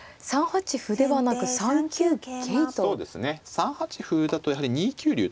３八歩だとやはり２九竜と入られてね